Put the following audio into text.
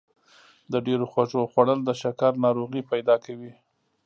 د ډېرو خوږو خوړل د شکر ناروغي پیدا کوي.